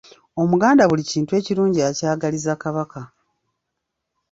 Omuganda buli kintu ekirungi akyagaliza Kabaka.